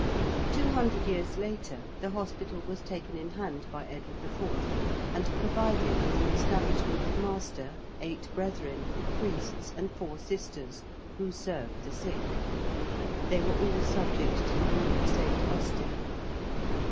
Two hundred years later the hospital was taken in hand by Edward IV. and provided with an establishment of Master, eight brethren, priests, and four sisters, who served the sick. They were all subject to the Rule of St. Austin.